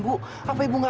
aku akan terus jaga kamu